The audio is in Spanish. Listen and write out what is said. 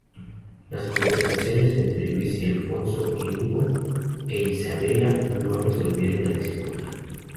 Las conversaciones entre Luis y Alfonso y Hugo e Isabella no resolvieron la disputa.